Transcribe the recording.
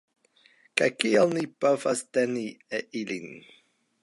Kaj kiel ni povas teni ilin?